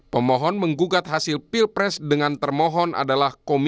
pemohon menggugat hasil pilpres dengan termohon adalah